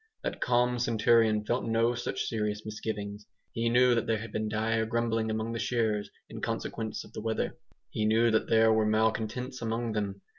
That calm centurion felt no such serious misgivings. He knew that there had been dire grumbling among the shearers in consequence of the weather. He knew that there were malcontents among them.